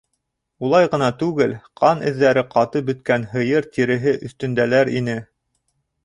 Улай ғына түгел, ҡан эҙҙәре ҡатып бөткән һыйыр тиреһе өҫтөндәләр ине.